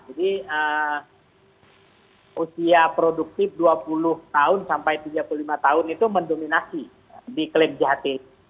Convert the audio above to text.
jadi usia produktif dua puluh tahun sampai tiga puluh lima tahun itu mendominasi di klaim jht